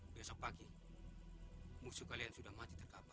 besok pagi musuh kalian sudah mati terkapar